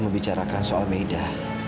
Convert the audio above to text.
membicarakan soal meda